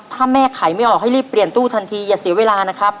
ถ้าแม่ขายไม่ออกให้รีบเปลี่ยนตู้ทันทีอย่าเสียเวลานะครับ